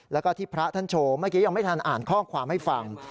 แล้วก็ที่พระท่านโชว์เมื่อกี้ยังไม่ทันอ่านข้อความให้ฟัง